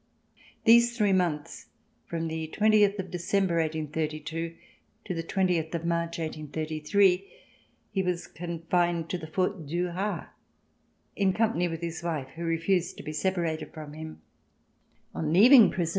These three months, from the twentieth of December, 1832, to the twentieth of March, 1833, he was confined at the Fort du Ha, in company with his wife who refused to be separated from him. On leaving prison.